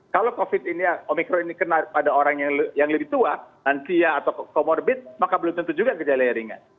kalau covid ini omikron ini kena pada orang yang lebih tua lansia atau comorbid maka belum tentu juga gejala ringan